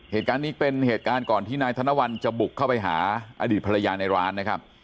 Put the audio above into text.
เหตุการณ์นี้เป็นเหตุการณ์ก่อนที่นายธนวัลจะบุกเข้าไปหาอดีตภรรยาในร้านนะครับ